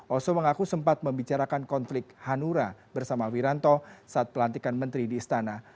oso mengaku sempat membicarakan konflik hanura bersama wiranto saat pelantikan menteri di istana